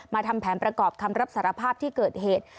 ทำแผนประกอบคำรับสารภาพที่เกิดเหตุ